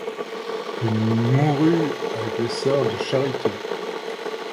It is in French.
Il mourut chez les sœurs de Charité.